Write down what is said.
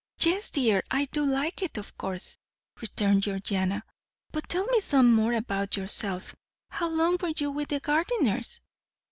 "Yes, dear, I do like it, of course," returned Georgiana; "but tell me some more about yourself. How long were you with the Gardiners?"